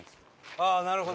ああーなるほど。